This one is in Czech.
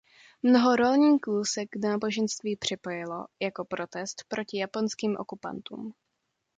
Mnoho rolníků se k náboženství připojilo jako protest proti japonským okupantům.